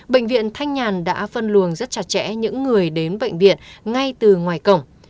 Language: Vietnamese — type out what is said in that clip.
bệnh viện thanh nhàn đã phân luồng rất chặt chẽ những người đến bệnh viện ngay từ ngoài cổng